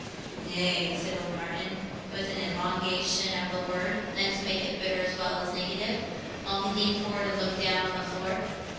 "Na a y," said old Martin, with an elongation of the word, meant to make it bitter as well as negative, while he leaned forward and looked down on the floor.